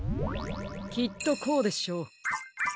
きっとこうでしょう。